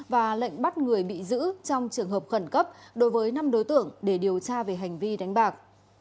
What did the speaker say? và lệnh bắt người bị giữ trong trường hợp khẩn cấp đối với năm đối tượng để điều tra về hành vi đánh bạc